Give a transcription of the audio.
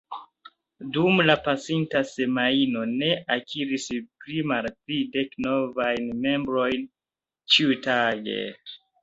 Dum la pasinta semajno ni akiris pli malpli dek novajn membrojn ĉiutage.